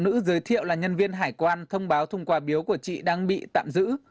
người phụ nữ giới thiệu là nhân viên hải quan thông báo thùng quà biếu của chị đang bị tạm giữ